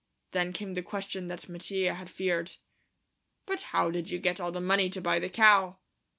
Then came the question that Mattia had feared. "But how did you get all the money to buy the cow?"